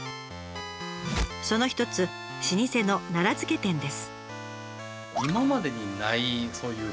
その一つ老舗の奈良漬店です。